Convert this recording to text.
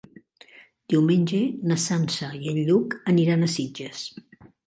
Diumenge na Sança i en Lluc aniran a Sitges.